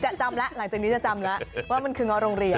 จะจำละหลังจากนี้จะจำละว่ามันคืองโรงเรียน